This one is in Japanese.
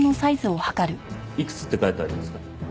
いくつって書いてありますか？